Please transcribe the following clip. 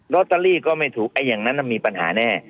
ตเตอรี่ก็ไม่ถูกไอ้อย่างนั้นมีปัญหาแน่